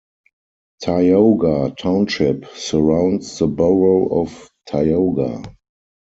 Tioga Township surrounds the borough of Tioga.